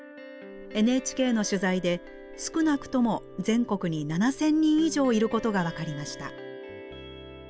ＮＨＫの取材で少なくとも全国に７，０００人以上いることが分かりました。